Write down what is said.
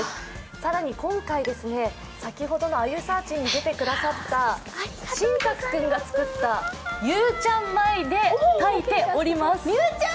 更に今回、先ほどの「あゆサーチ」に出てくださった新宅君が作ったゆうちゃん米で炊いております。